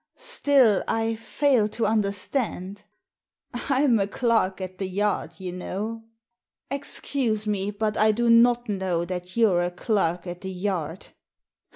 Still I fail to understand." " I'm a clerk at the Yard, you know." " Excuse me, but I do not know that you're a clerk at the Yard."